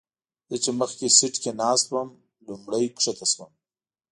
زه چې مخکې سیټ کې ناست وم لومړی ښکته شوم.